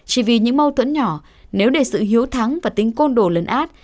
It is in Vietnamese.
chỉ vì những mâu thuẫn nhỏ nếu để sự hiếu thắng và tính côn đồ lấn át